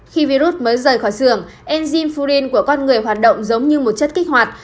khi virus mới rời khỏi xưởng enzym furin của con người hoạt động giống như một chất kích hoạt